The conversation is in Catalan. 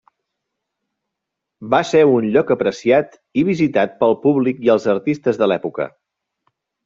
Va ser un lloc apreciat i visitat pel públic i els artistes de l'època.